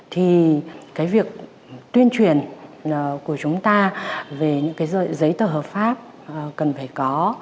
thì cái việc tuyên truyền của chúng ta về những cái giấy tờ hợp pháp cần phải có